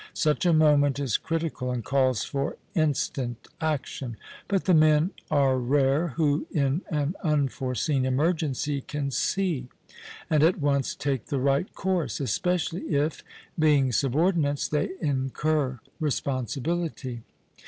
Such a moment is critical, and calls for instant action; but the men are rare who in an unforeseen emergency can see, and at once take the right course, especially if, being subordinates, they incur responsibility.